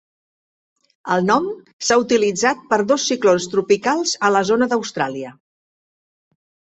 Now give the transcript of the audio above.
El nom s'ha utilitzat per dos ciclons tropicals a la zona d'Austràlia.